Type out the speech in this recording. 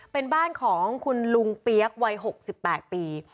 เป็นบ้านของคุณลุงเปี๊ยกวัยหกสิบแปดปี